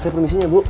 saya permisi ya bu